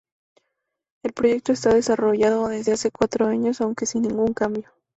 El proyecto está en desarrollo desde hace cuatro años, aunque sin ningún cambio.